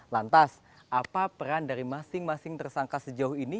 lantas apa peran dari masing masing tersangka sejauh ini